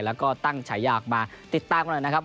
แล้วก็ตั้งฉายาออกมาติดตามกันหน่อยนะครับ